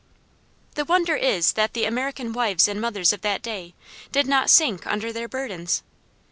The wonder is that the American wives and mothers of that day did not sink under their burdens.